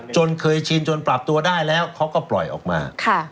เคยชินจนปรับตัวได้แล้วเขาก็ปล่อยออกมา